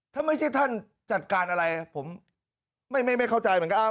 ถ้าไม่ใช่ท่านจัดการอะไรผมไม่เข้าใจเหมือนกัน